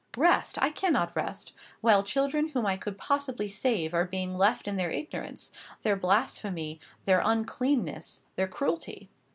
Rest! I cannot rest, while children whom I could possibly save are being left in their ignorance, their blasphemy, their uncleanness, their cruelty.